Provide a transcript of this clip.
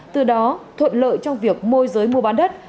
từ đó thuận lợi trong việc môi giới mua bán đất